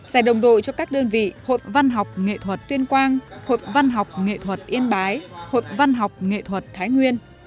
giải đồng đội cho các đơn vị hội văn học nghệ thuật tuyên quang hội văn học nghệ thuật yên bái hội văn học nghệ thuật thái nguyên